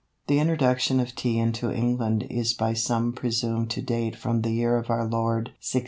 The introduction of Tea into England is by some presumed to date from the year of our Lord 1652.